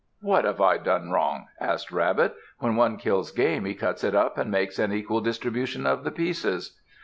"What have I done wrong?" asked Rabbit. "When one kills game, he cuts it up and makes an equal distribution of the pieces."